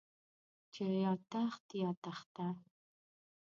چې يا تخت يا تخته.